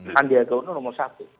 kandida ke undang nomor satu